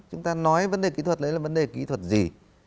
chúng ta nói vấn đề kỹ thuật đấy là vấn đề kỹ thuật gì